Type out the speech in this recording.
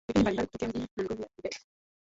vipindi mbalimbali kutokea mjini Monrovia, Liberia